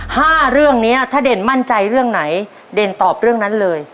ห้าเรื่องเนี้ยถ้าเด่นมั่นใจเรื่องไหนเด่นตอบเรื่องนั้นเลย